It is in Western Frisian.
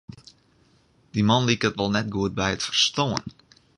Dy man liket wol net goed by it ferstân.